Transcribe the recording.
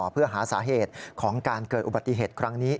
เพื่อหาสาเหตุของการเกิดอุบัติเหตุครั้งนี้